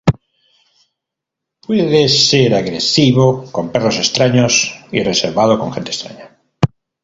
Puede ser agresivo con perros extraños y reservado con gente extraña.